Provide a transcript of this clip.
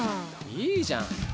いいじゃん。